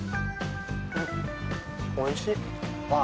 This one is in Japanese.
おいしい。